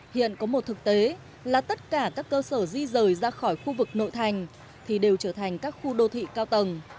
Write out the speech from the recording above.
hiện có một thực tế là tất cả các cơ sở di rời ra khỏi khu vực nội thành thì đều trở thành các khu đô thị cao tầng